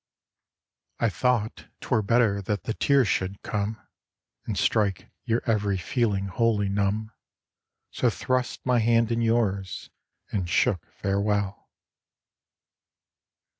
I thought 'twere better that the tears should come And strike your every feeling wholly numb, So thrust my hand in yours and shook fare well.